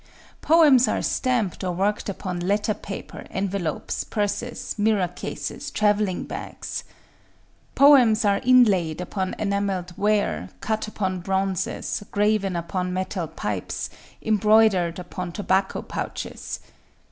Poems are stamped or worked upon letter paper, envelopes, purses, mirror cases, travelling bags. Poems are inlaid upon enamelled ware, cut upon bronzes, graven upon metal pipes, embroidered upon tobacco pouches.